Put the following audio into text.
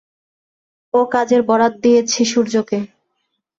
ও কাজের বরাত দিয়েছি সূর্যকে।